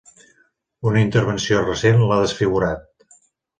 Una intervenció recent l'ha desfigurat.